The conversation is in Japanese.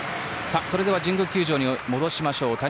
それでは神宮球場に戻しましょう。